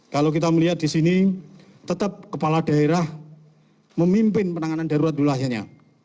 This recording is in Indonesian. kalau kita melihat di sini tetap kepala daerah memimpin penanganan darurat wilayahnya